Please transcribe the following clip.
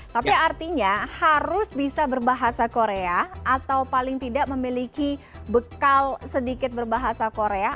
tapi artinya harus bisa berbahasa korea atau paling tidak memiliki bekal sedikit berbahasa korea